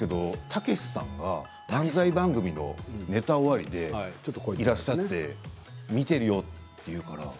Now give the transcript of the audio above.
たけしさんが漫才のネタ終わりでいらっしゃって見ているよって。